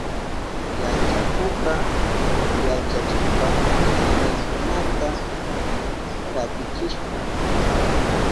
Yachakukka yachachikpa shiminkunata katichishka.